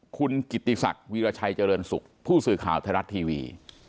คุณกิติศักดิ์วีรชัยเจริญสุขผู้สื่อข่าวไทยรัฐทีวี